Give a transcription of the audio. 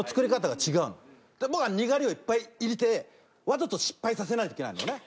で僕はにがりをいっぱい入れてわざと失敗させないといけないのね。